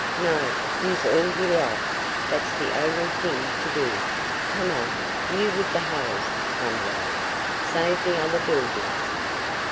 "No, use all you like! That's the only thing to do. Come on, you with the hose!" Tom yelled. "Save the other buildings!"